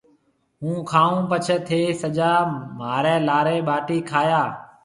هُون کائون پڇيَ ٿَي سجا مهاريَ لاري ٻاٽِي کائيا۔